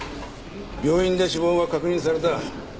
病院で死亡が確認された。